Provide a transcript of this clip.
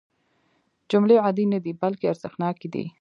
جملې عادي نه دي بلکې ارزښتناکې دي.